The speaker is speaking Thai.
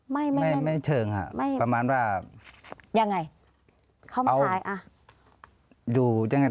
ไม่เชิงค่ะประมาณว่ายังไงเขามาขาย